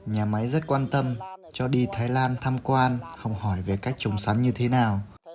nhà máy rất quan tâm cho đi thái lan tham quan học hỏi về cách trồng sắn như thế nào